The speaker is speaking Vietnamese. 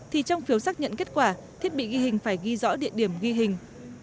thì trong phiếu xác nhận kết quả thiết bị ghi hình phải ghi rõ địa điểm ghi hình